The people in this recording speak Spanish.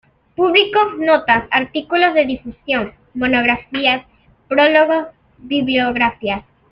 Publicó notas, artículos de difusión, monografías, prólogos, bibliografías.